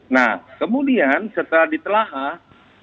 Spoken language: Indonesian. nah kemudian setelah ditelahkan